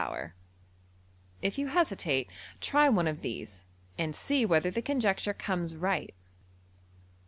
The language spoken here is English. If you hesitate, try one of these, and see whether the conjecture comes right.